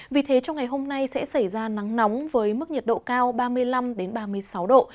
vì thế trong ngày hôm nay sẽ xảy ra nắng nóng với mức nhiệt độ cao ba mươi năm ba mươi sáu độ